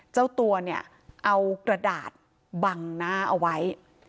เจ้าตัวเนี่ยเอากระดาษบังหน้าเอาไว้